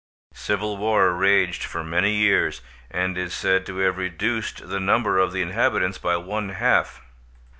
Civil war raged for many years, and is said to have reduced the number of the inhabitants by one half.